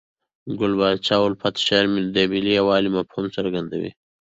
ګل پاچا الفت شعر د ملي یووالي مفهوم څرګندوي.